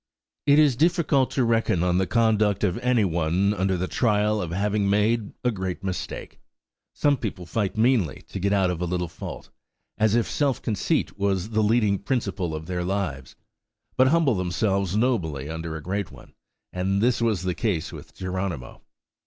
It is difficult to reckon on the conduct of any one under the trial of having made a great mistake. Some people fight meanly to get out of a little fault, as if self conceit was the leading principle of their lives, but humble themselves nobly under a great one; and this was the case with Geronimo.